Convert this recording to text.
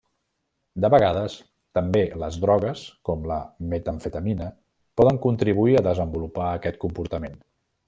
De vegades, també les drogues com la metamfetamina podem contribuir a desenvolupar aquest comportament.